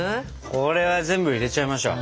これは全部入れちゃいましょう。